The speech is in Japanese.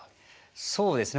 そうですね。